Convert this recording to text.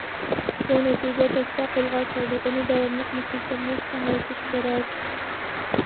بۇ نەتىجە تەستە قولغا كەلدى، ئۇنى داۋاملىق مۇستەھكەملەش، كېڭەيتىش كېرەك.